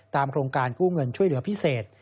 โครงการกู้เงินช่วยเหลือพิเศษ